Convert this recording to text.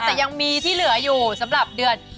แต่ยังมีที่เหลืออยู่สำหรับเดือน